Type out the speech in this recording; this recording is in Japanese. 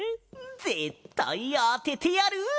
ぜったいあててやる！